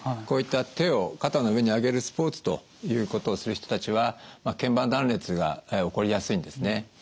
こういった手を肩の上に上げるスポーツということをする人たちは腱板断裂が起こりやすいんですね。